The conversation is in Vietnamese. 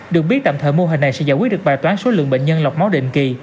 được biết tạm thời mô hình này sẽ giải quyết được bài toán số lượng bệnh nhân lọc máu định kỳ